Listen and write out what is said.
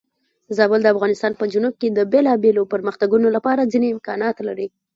زابل د افغانستان په جنوب کې د بېلابېلو پرمختګونو لپاره ځینې امکانات لري.